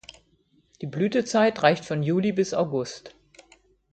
Die Blütezeit reicht von Juli bis August.